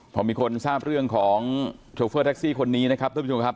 พอมีคนทราบเรื่องของโชเฟอร์แท็กซี่คนนี้นะครับท่านผู้ชมครับ